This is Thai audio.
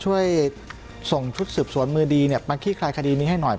ช่วยส่งชุดสืบสวนมือดีมาขี้คลายคดีนี้ให้หน่อย